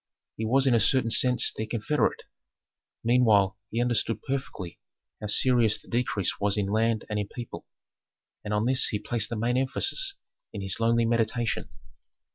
He was in a certain sense their confederate. Meanwhile he understood perfectly how serious the decrease was in land and in people, and on this he placed the main emphasis in his lonely meditation.